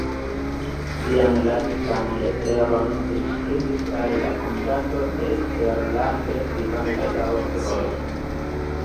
Sian lastan leteron li skribis al la Komitato de Eksterlande Vivantaj Aŭstroj.